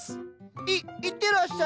いいってらっしゃい。